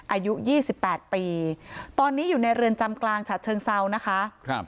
อายุ๒๘ปีตอนนี้อยู่ในเรือนจำกลางฉัดเชิงเซานะคะครับ